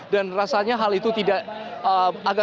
dan rasanya hal itu tidak agak